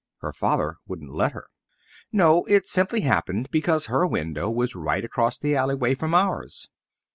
Her father wouldn't let her. No, it simply happened because her window was right across the alleyway from ours.